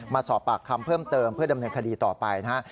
มาสอบปากคำเพิ่มเติมเพื่อดำเนินคดีต่อไปนะฮะ